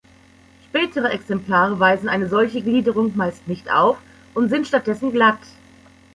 Spätere Exemplare weisen eine solche Gliederung meist nicht auf und sind stattdessen glatt.